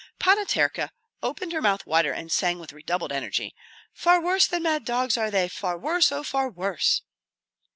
Panna Terka opened her mouth wider and sang with redoubled energy, "Far worse than mad dogs are they, far worse, oh, far worse!"